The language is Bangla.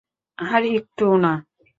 আর এটুকুই না।